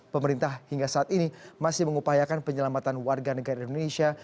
pemerintah hingga saat ini masih mengupayakan penyelamatan warga negara indonesia